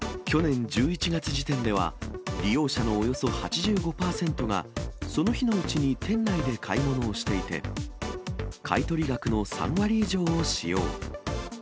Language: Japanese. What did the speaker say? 去年１１月時点では、利用者のおよそ８５％が、その日のうちに店内で買い物をしていて、買い取り額の３割以上を使用。